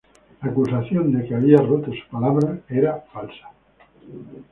La acusación de que había roto su palabra era falsa.